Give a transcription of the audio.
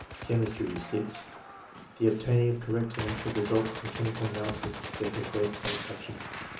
Chemistry. — (6) The obtaining of correct and accurate results in chemical analysis gave me great satisfaction.